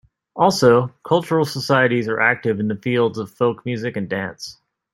Also, cultural societies are active in the fields of folk music and dance.